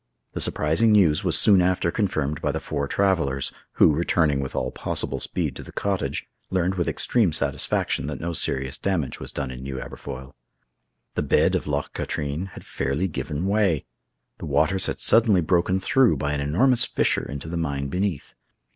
The surprising news was soon after confirmed by the four travelers, who, returning with all possible speed to the cottage, learned with extreme satisfaction that no serious damage was done in New Aberfoyle. The bed of Loch Katrine had fairly given way. The waters had suddenly broken through by an enormous fissure into the mine beneath.